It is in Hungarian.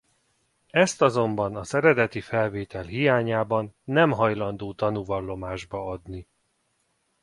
Ezt azonban az eredeti felvétel hiányában nem hajlandó tanúvallomásba adni.